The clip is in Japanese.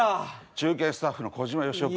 中継スタッフの小島よしお君。